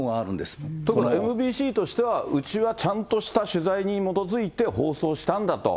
ＭＢＣとしては、うちはちゃんとした取材に基づいて放送したんだと。